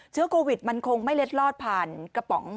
เชื้อโควิดมันคงไม่เล็ดลอดผ่านกระป๋อง